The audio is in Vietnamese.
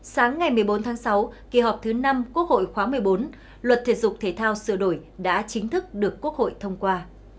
sáng ngày một mươi bốn tháng sáu kỳ họp thứ năm quốc hội khóa một mươi bốn luật thể dục thể thao sửa đổi đã chính thức được quốc hội thông qua